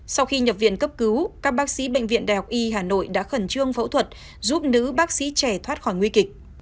sau khi nhập viện cấp cứu các bác sĩ bệnh viện đại học y hà nội đã khẩn trương phẫu thuật giúp nữ bác sĩ trẻ thoát khỏi nguy kịch